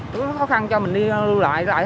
có khó khăn cho mình đi lưu lại